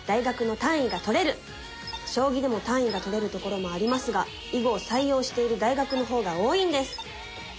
将棋でも単位が取れるところもありますが囲碁を採用している大学の方が多いんです！